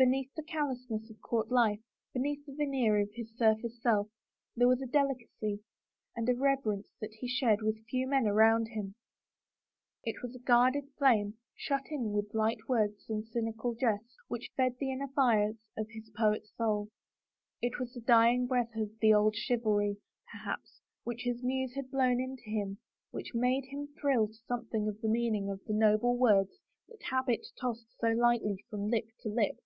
Beneath the callousness of the court life, beneath the veneer of his surface self, there was a del icacy and reverence that he shared with few men around 55 THE FAVOR OF KINGS him. It was a guarded flame, shut in with light words and cynical jests, which fed the inner fires of his poet soul. It was the dying breath of the old chivalry, per haps, which his muse had blown into him which made him thrill to something of the meaning of the noble words that habit tossed so lightly from lip to lip.